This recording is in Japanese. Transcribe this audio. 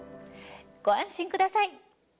ご安心ください。